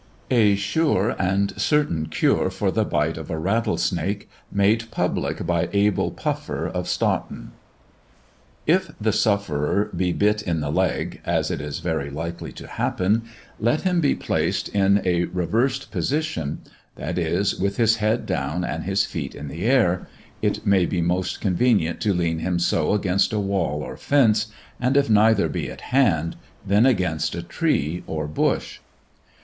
A sure and certain cure for the Bite of a Rattlesnake Made Publick by Abel Puffer of Stoughton. If the Sufferer be Bit in the Leg ( as it is very likely to happen ) let him be plac*d in a revers'd position ; that is, with his Head down and his Feet in the Air ŌĆö it may be most convenient to lean him so against a Wall or Fence, or if neither be at hand, then against a Tree or Bush.